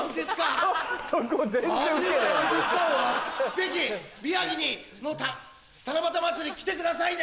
ぜひ宮城に七夕まつり来てくださいね！